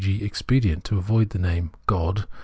be expedient to avoid the name " God."